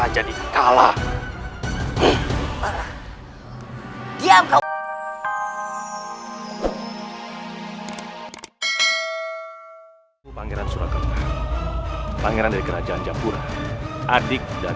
sampai jumpa di video selanjutnya